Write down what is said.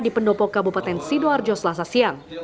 di pendopo kabupaten sidoarjo selasa siang